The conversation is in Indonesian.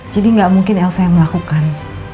jadi nggak mungkin elsa yang melakukan